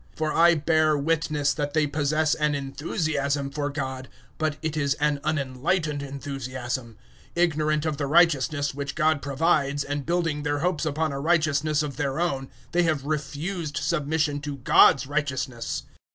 010:002 For I bear witness that they possess an enthusiasm for God, but it is an unenlightened enthusiasm. 010:003 Ignorant of the righteousness which God provides and building their hopes upon a righteousness of their own, they have refused submission to God's righteousness.